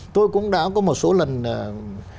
tôi cũng đã có một số lần